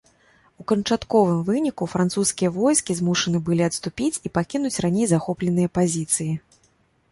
У канчатковым выніку французскія войскі змушаны былі адступіць і пакінуць раней захопленыя пазіцыі.